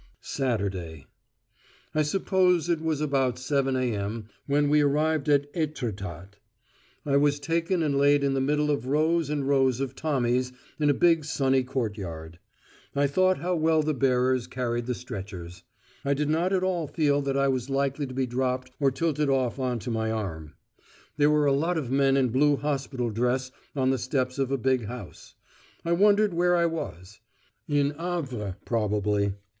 SATURDAY I suppose it was about 7.0 a.m. when we arrived at Étretat. I was taken and laid in the middle of rows and rows of Tommies in a big sunny courtyard. I thought how well the bearers carried the stretchers: I did not at all feel that I was likely to be dropped or tilted off on to my arm. There were a lot of men in blue hospital dress on the steps of a big house. I wondered where I was: in Havre probably.